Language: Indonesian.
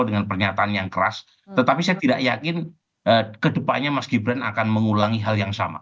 dengan pernyataan yang keras tetapi saya tidak yakin ke depannya mas gibran akan mengulangi hal yang sama